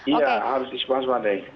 iya harus diwaspadai